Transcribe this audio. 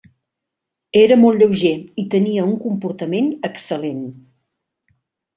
Era molt lleuger i tenia un comportament excel·lent.